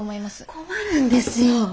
困るんですよ。